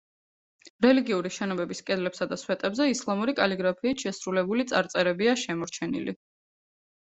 რელიგიური შენობების კედლებსა და სვეტებზე ისლამური კალიგრაფიით შესრულებული წარწერებია შემორჩენილი.